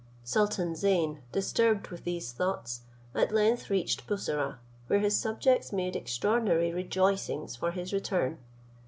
Sultan Zeyn, disturbed with these thoughts, at length reached Bussorah, where his subjects made extraordinary rejoicings for his return.